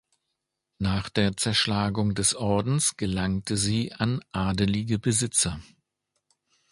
Nach der Zerschlagung des Ordens gelangte sie an adelige Besitzer.